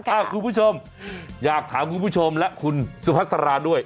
คุณผู้ชมอยากถามคุณผู้ชมและคุณสุพัสราด้วย